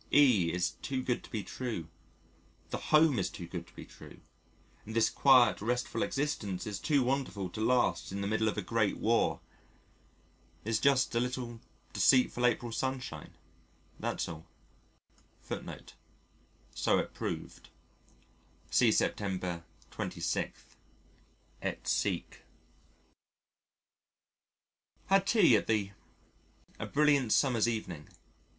E is too good to be true, the home is too good to be true, and this quiet restful existence is too wonderful to last in the middle of a great war. It's just a little deceitful April sunshine, that's all.... Had tea at the . A brilliant summer's evening.